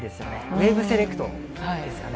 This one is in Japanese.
ウエーブセレクトですかね。